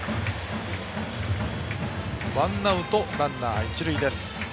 ワンアウトランナー、一塁です。